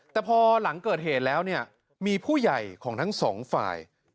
แต่พอหลังเกิดเหตุแล้วเนี่ยมีผู้ใหญ่ของทั้งสองฝ่าย